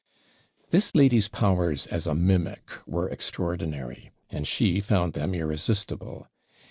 This lady's powers as a mimic were extraordinary, and she found them irresistible.